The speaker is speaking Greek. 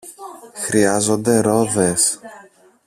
Χρειάζονται ρόδες.